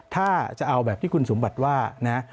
ถ้าจะเอาแบบที่คุณสมบัติว่านะ